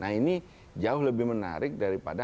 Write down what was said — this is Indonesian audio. nah ini jauh lebih menarik daripada